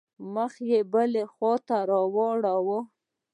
مخ مې بلې خوا ته واړاوه.